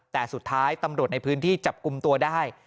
แต่สุดท้ายตำรวจในพื้นที่จับกลุ่มตัวได้